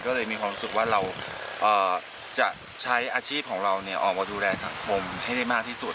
ก็เลยมีความรู้สึกว่าเราจะใช้อาชีพของเราออกมาดูแลสังคมให้ได้มากที่สุด